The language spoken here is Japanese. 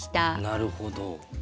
なるほど。